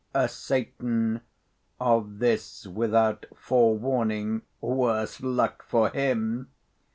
Satan, of this without forewarning, Worse luck for him!